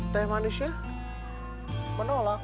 teh malisnya menolak